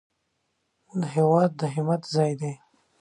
هېواد د همت ځای دی